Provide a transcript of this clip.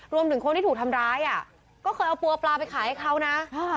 รวมถึงคนที่ถูกทำร้ายอ่ะก็เคยเอาปัวปลาไปขายให้เขานะ